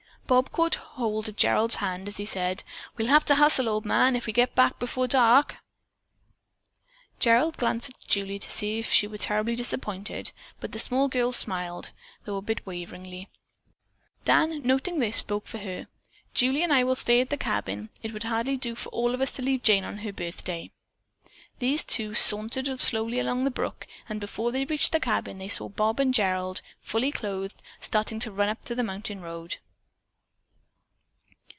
Bob caught hold of Gerald's hand as he said: "We'll have to hustle, old man, if we get back before dark." Gerry glanced at Julie to see if she were terribly disappointed, but the small girl smiled, though a bit waveringly. Dan, noting this, spoke for her: "Julie and I will stay at the cabin. It would hardly do for us all to leave Jane on her birthday." These two sauntered slowly along the brook, and before they reached the cabin they saw Bob and Gerald, fully clothed, starting to run up the mountain road.